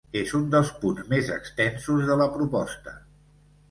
És un dels punts més extensos de la proposta.